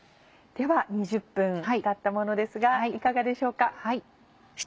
では２０分たったものですがいかがでしょうか。